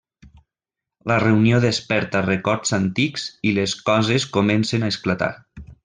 La reunió desperta records antics i les coses comencen a esclatar.